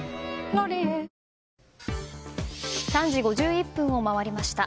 「ロリエ」３時５１分を回りました。